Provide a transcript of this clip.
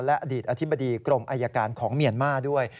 และอดีตอธิบดีกรมอายการของเมียนมาร์ด้วย